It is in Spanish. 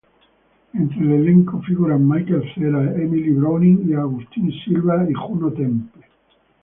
Entre el elenco figuran Michael Cera, Emily Browning, Agustin Silva y Juno Temple.